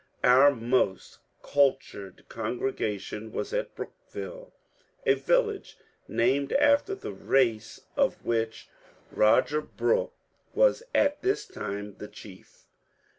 Our most cultured congregation was at Brookville, a village named after the race of which Roger Brooke was at this time the chief.